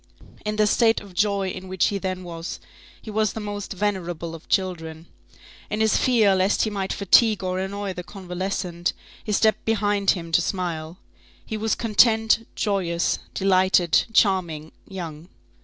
In the state of joy in which he then was, he was the most venerable of children. In his fear lest he might fatigue or annoy the convalescent, he stepped behind him to smile. He was content, joyous, delighted, charming, young.